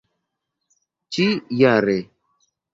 ĉi jare